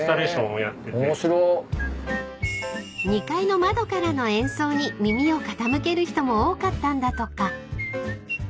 ［２階の窓からの演奏に耳を傾ける人も多かったんだとか］